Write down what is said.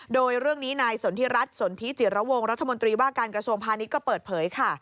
โดยเรื่องนี้นายสนทิรัฐสนทิจิระวงรัฐมนตรีว่าการกระทรวงพาณิชย์ก็เปิดเผยค่ะ